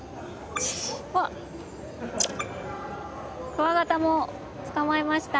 クワガタも捕まえました。